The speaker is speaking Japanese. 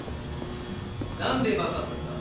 何で爆発させた？